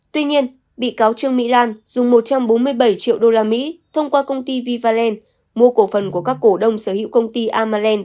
tuy nhiên bị cáo trương mỹ lan dùng một trăm bốn mươi bảy triệu usd thông qua công ty vivaland mua cổ phần của các cổ đông sở hữu công ty amalend